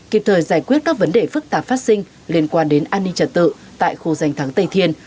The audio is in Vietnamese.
kịp thời giải quyết các vấn đề phức tạp phát sinh liên quan đến an ninh trật tự tại khu danh thắng tây thiên